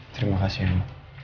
terima kasih ma